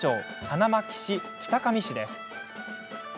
花巻市、北上市です。